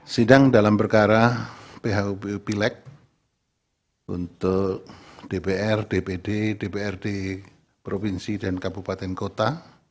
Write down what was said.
sidang dalam perkara phupu pileg untuk dpr dpd dprd provinsi dan kabupaten kota